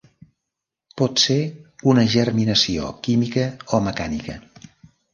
Pot ser una germinació química o mecànica.